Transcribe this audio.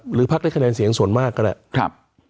หรือภาคได้คะแนนเสียงส่วนมากก็แหละ